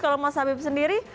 kalau mas habib sendiri